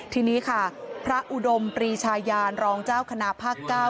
ทีนี้ค่ะพระอุดมปรีชายานรองเจ้าคณะภาค๙